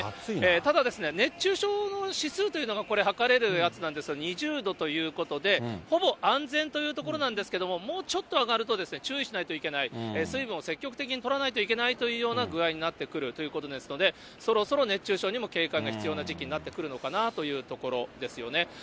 ただ、熱中症の指数というのがこれ、測れるやつなんですが、２０度ということで、ほぼ安全というところなんですけれども、もうちょっと上がると注意しないといけない、水分を積極的にとらないといけないというような具合になってくるということですので、そろそろ熱中症にも警戒が必要な時期になってくるのかなというところですよね。